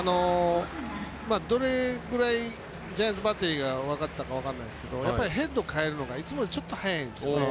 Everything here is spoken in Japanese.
どれぐらいジャイアンツバッテリーが分かったか分かんないですけどヘッドを返るのがいつもよりちょっと早いんですよね。